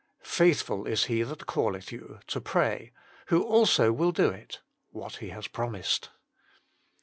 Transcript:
"Faithful is He that calleth you" (to pray), "who also will do it" (what He has promised).